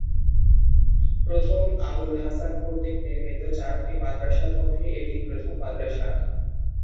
প্রথম আবু-ল-হাসান আলী কর্তৃক নির্মিত চারটি মাদ্রাসার মধ্যে এটিই প্রথম মাদ্রাসা।